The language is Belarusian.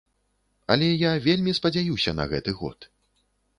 Але я вельмі спадзяюся на гэты год.